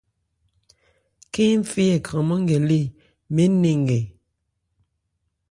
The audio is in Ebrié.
Khɛ́n ń fe ɛ kranmán nkɛ lê mɛɛ́n nɛn nkɛ.